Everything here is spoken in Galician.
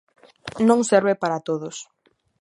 Non serve para todos.